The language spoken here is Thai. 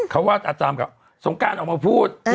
เขาว่าอาจารย์กับสงการออกมาพูด